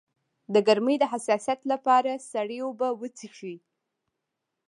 د ګرمۍ د حساسیت لپاره سړې اوبه وڅښئ